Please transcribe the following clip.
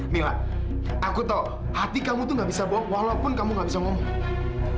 mila aku tahu hati kamu itu tidak bisa bohong walaupun kamu tidak bisa ngomong